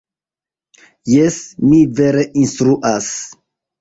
Jes, mi vere instruas.